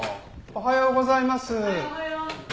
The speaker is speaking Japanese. おはようございます。